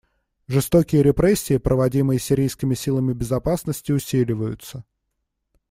Жестокие репрессии, проводимые сирийскими силами безопасности, усиливаются.